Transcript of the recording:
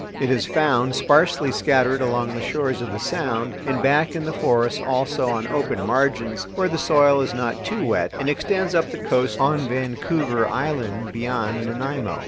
It is found sparsely scattered along the shores of the Sound and back in the forests also on open margins, where the soil is not too wet, and extends up the coast on Vancouver Island beyond Nanaimo.